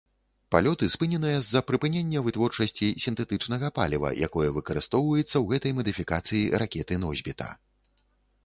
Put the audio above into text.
Палёты спыненыя з-за прыпынення вытворчасці сінтэтычнага паліва, якое выкарыстоўваецца ў гэтай мадыфікацыі ракеты-носьбіта.